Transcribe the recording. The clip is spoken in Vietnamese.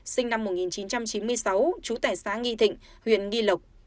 sinh năm một nghìn chín trăm chín mươi sáu trú tại xã nghi thịnh huyện nghi lộc